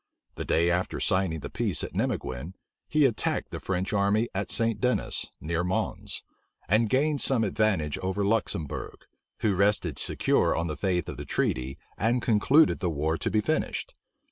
The day after signing the peace at Nimeguen, he attacked the French army at St. Dennis, near Mons; and gained some advantage over Luxembourg, who rested secure on the faith of the treaty, and concluded the war to be finished.